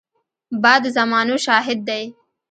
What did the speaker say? باد د زمانو شاهد دی